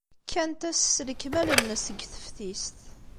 Kkant ass s lekmal-nnes deg teftist.